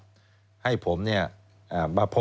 สวัสดีครับคุณผู้ชมค่ะต้อนรับเข้าที่วิทยาลัยศาสตร์